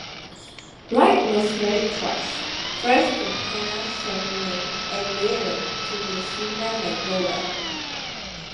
Wright was married twice: first to Hannah Chamberlain and later to Rosina McDowell.